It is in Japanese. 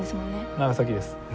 長崎です。